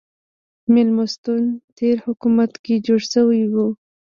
مېلمستون تېر حکومت کې جوړ شوی و.